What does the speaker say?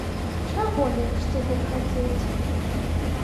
Чаго лепш цяпер хацець?